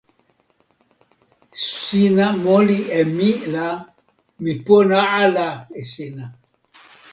sina moli e mi la, mi pona ala e sina.